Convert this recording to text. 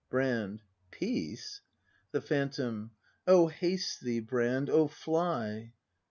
Brand. "Peace?" The Phantom. O haste thee, Brand, O fly!